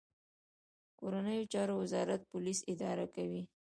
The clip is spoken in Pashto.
کورنیو چارو وزارت پولیس اداره کوي